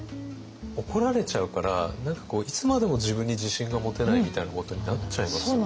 怒られちゃうから何かこういつまでも自分に自信が持てないみたいなことになっちゃいますよね。